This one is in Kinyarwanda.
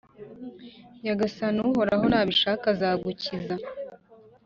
Nyagasani Uhoraho nabishaka azagukiza